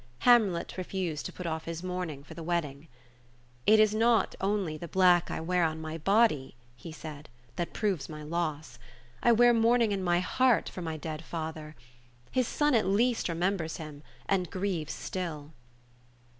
Hamlet refused to put oflf his mourning for the wedding. "It is not only the black I wear on my body," he said, "that proves my loss. I wear mourning in my heart for my dead father. His son at least remembers him, and grieves still."